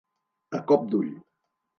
A cop d'ull.